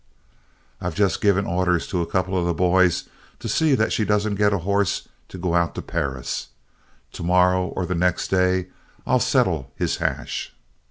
"I've just given orders to a couple of the boys to see that she don't get a horse to go out to Perris. Tomorrow or the next day I'll settle his hash.